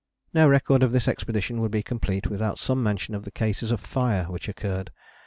No record of this expedition would be complete without some mention of the cases of fire which occurred.